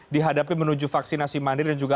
dihadapi menuju vaksinasi mandiri dan juga